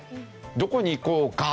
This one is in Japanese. どこに行こうか？